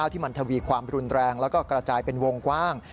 ที่มันทวีความรุนแรงแล้วก็กระจายเป็นวงกว้าง